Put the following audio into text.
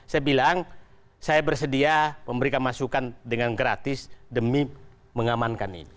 saya bilang saya bersedia memberikan masukan dengan gratis demi mengamankan ini